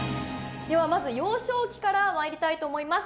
まず幼少期からまいりたいと思います。